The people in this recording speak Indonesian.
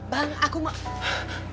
bang aku mau